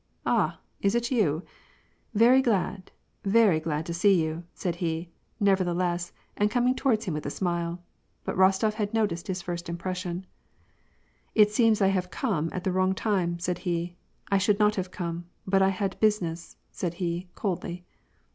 "Ah ! is it you ? Very glad, very glad to see you," said he, nevertheless, and coming towards him with a smile. But Bostof had noticed his first impression. "It seems I have come at the wrong time," said he. "I should not have come, but I had business," said he, coldly.